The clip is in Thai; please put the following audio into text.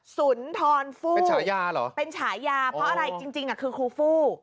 สุนทรฟู้เป็นฉายาเหรอเป็นฉายาเพราะอะไรจริงคือครูฟู่